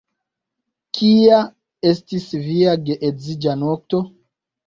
Kia estis via geedziĝa nokto?